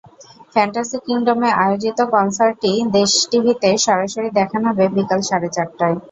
Fantasy কিংডমে আয়োজিত কনসার্টটি দেশ টিভিতে সরাসরি দেখানো হবে বিকেল সাড়ে চারটায়।